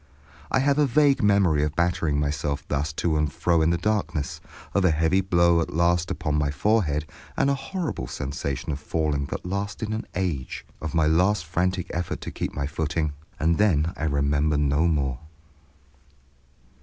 I have a vague memory of battering myself thus to and fro in the darkness, of a heavy blow at last upon my forehead, of a horrible sensation of falling that lasted an age, of my last frantic effort to keep my footing, and then I remember no more.